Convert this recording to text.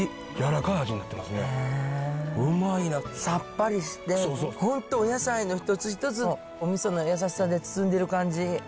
さっぱりして本当お野菜の一つ一つおみその優しさで包んでる感じ。